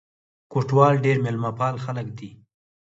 کوټوال ډېر مېلمه پال خلک دي.